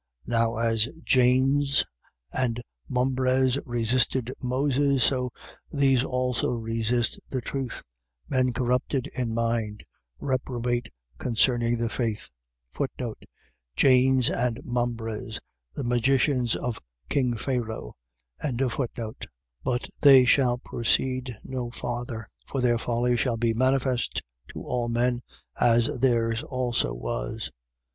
3:8. Now as Jannes and Mambres resisted Moses, so these also resist the truth, men corrupted in mind, reprobate concerning the faith. Jannes and Mambres. . .The magicians of king Pharao. 3:9. But they shall proceed no farther: for their folly shall be manifest to all men, as theirs also was. 3:10.